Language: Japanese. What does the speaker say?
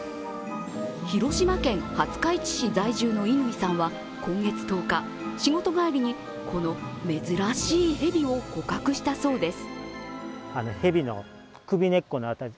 広島県廿日市市在住の乾さんは今月１０日、仕事帰りにこの珍しい蛇を捕獲したそうです。